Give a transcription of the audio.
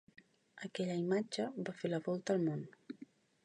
Aquella imatge va fer la volta al món.